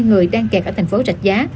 các người đang kẹt ở tp rạch giá